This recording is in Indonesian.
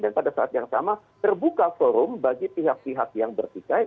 dan pada saat yang sama terbuka forum bagi pihak pihak yang bersikai